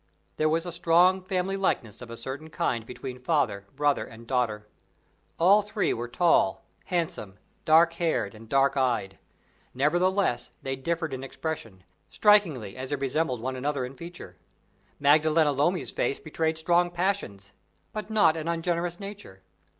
There was a strong family likeness of a certain kind between father, brother and daughter. All three were tall, handsome, dark haired, and dark eyed; nevertheless, they differed in expression, strikingly as they resembled one another in feature. Maddalena Lomi's face betrayed strong passions, but not an ungenerous nature.